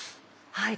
はい。